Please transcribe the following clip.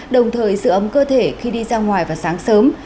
đồng thời giữ ấm cơ thể khi đi ra ngoài vào sáng sớm